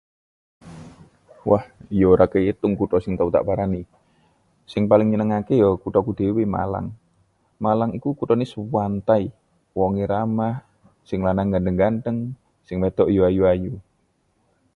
Wah, yo ora keitung kutho sing tau tak parani. Sing paling nyenengake ya kuthoku dewe, Malang. Malang iku kuthone Suwantai, wong-wonge ramah, sing lanang ngganteng-ngganteng, sing wedok yo ayu-ayu.